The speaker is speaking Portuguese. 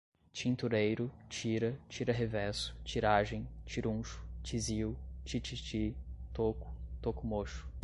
tintureiro, tira, tira revesso, tiragem, tiruncho, tisiu, tititi, toco, toco mocho